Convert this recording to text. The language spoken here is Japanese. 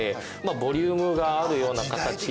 ボリュームがあるような形で。